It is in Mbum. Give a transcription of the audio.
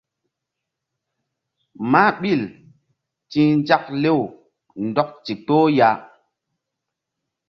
Mah ɓil ti̧h nzak lew ndɔk ndikpoh ya.